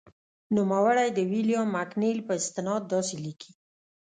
نوموړی د ویلیام مکنیل په استناد داسې لیکي.